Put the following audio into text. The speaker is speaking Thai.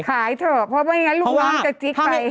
ขายเถอะเพราะไม่อย่างนั้นลูกน้องจะจิ๊กไป